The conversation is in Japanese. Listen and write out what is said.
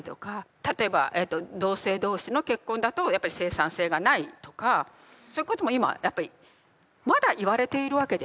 例えば同性同士の結婚だとやっぱり生産性がないとかそういうことも今やっぱりまだ言われているわけですよ。